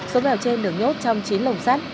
số mèo trên được nhốt trong chín lồng sắt